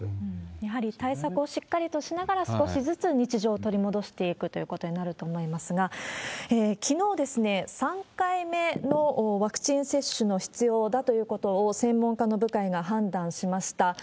やはり対策をしっかりとしながら、少しずつ日常を取り戻していくということになると思いますが、きのう、３回目のワクチン接種が必要だということを、専門家の部会が判断しました。